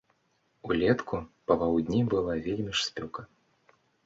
Улетку папаўдні была вельмі ж спёка.